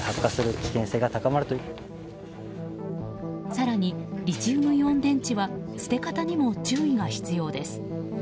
更に、リチウムイオン電池は捨て方にも注意が必要です。